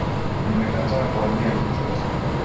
Nimekataa kuwaambia chochote